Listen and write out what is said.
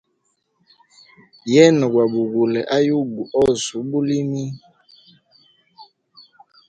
Yena gwa bugule ayugu ose ubulimi.